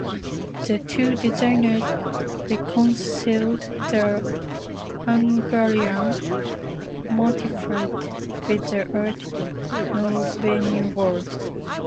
The two designers reconciled the Hungarian motifs with the Art Nouveau world.